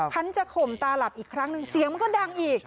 ฉันจะข่มตาหลับอีกครั้งหนึ่งเสียงมันก็ดังอีก